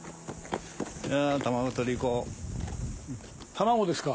卵ですか。